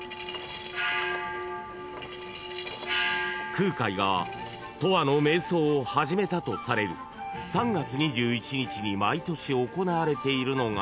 ［空海がとわの瞑想を始めたとされる３月２１日に毎年行われているのが］